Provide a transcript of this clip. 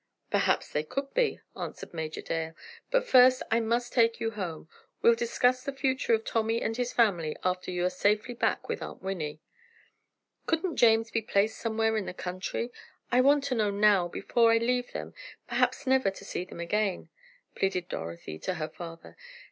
"Perhaps they could be," answered Major Dale, "but first, I must take you home. We'll discuss the future of Tommy and his family, after you are safely back with Aunt Winnie." "Couldn't James be placed somewhere in the country? I want to know now, before I leave them, perhaps never to see them again," pleaded Dorothy to her father.